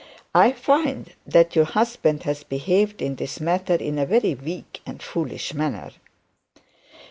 'I find that your husband has behaved in this matter in a very weak and foolish manner.'